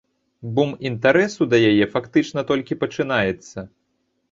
Бум інтарэсу да яе фактычна толькі пачынаецца.